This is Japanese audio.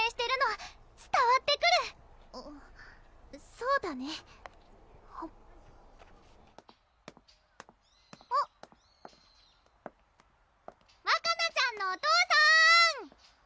そうだねあっわかなちゃんのお父さん！